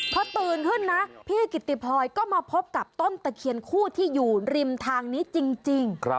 พอตื่นขึ้นนะพี่กิติพลอยก็มาพบกับต้นตะเคียนคู่ที่อยู่ริมทางนี้จริง